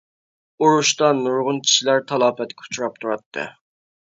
ئۇرۇشتا نۇرغۇن كىشىلەر تالاپەتكە ئۇچراپ تۇراتتى.